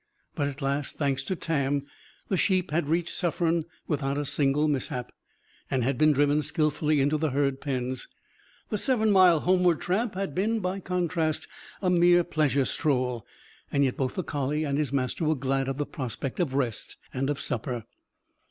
But, at last, thanks to Tam, the sheep had reached Suffern without a single mishap; and had been driven skilfully into the herd pens. The seven mile homeward tramp had been, by contrast, a mere pleasure stroll. Yet, both the collie and his master were glad of the prospect of rest and of supper.